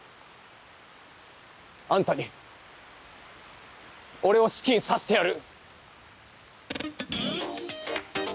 あんたに俺を好きにさせてやる！